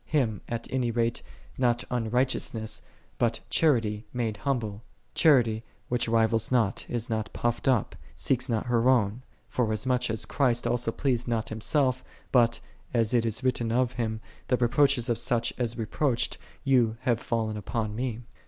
Him, at any rate, not unrighteousness, but charity, made humble; "Charity, which rivalleth not, is not puffed up, seeketh not her own; " 2 for asmuch as " Christ also pleased not Himself, but, as it is written of Him, The reproaches of such as reproached Thee have fallen upon Me.